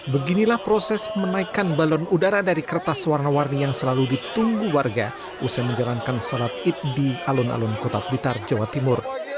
beginilah proses menaikan balon udara dari kertas warna warni yang selalu ditunggu warga usai menjalankan sholat id di alun alun kota blitar jawa timur